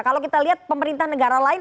kalau kita lihat pemerintah negara lain